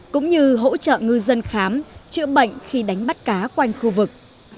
cũng như hỗ trợ ngư dân khám chữa bệnh khi đánh bắt cá quanh khu vực